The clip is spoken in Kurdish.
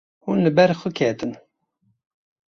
Hûn li ber xwe ketin.